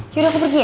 yaudah aku pergi ya